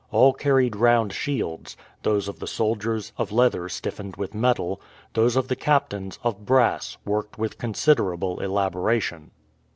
All carried round shields those of the soldiers, of leather stiffened with metal; those of the captains, of brass, worked with considerable elaboration.